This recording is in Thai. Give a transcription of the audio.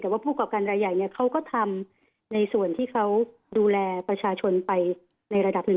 แต่ว่าผู้กรอบการรายใหญ่เขาก็ทำในส่วนที่เขาดูแลประชาชนไปในระดับหนึ่ง